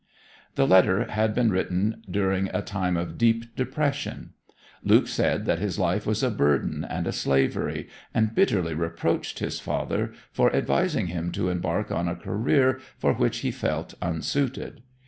The letter had been written during a time of deep depression. Luke said that his life was a burden and a slavery, and bitterly reproached his father for advising him to embark on a career for which he felt unsuited.